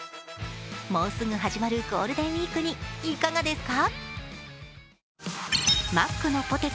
もうすぐ始まるゴールデンウイークにいかがですか。